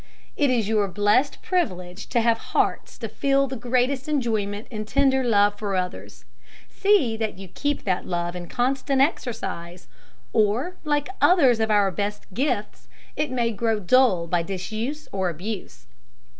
It is your blessed privilege to have hearts to feel the greatest enjoyment in tender love for others. See that you keep that love in constant exercise, or, like others of our best gifts, it may grow dull by disuse or abuse.